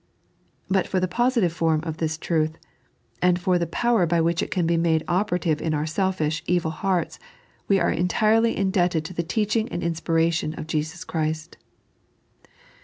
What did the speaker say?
But for the positive form of this truth, and for the power by which it can be made operative in our selfish, evil hearts, we are entirely indebted to the teaching and inspiration of Jesus Christ.